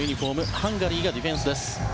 ハンガリーがディフェンスです。